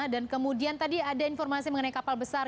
dan kemudian tadi ada informasi mengenai kapal besar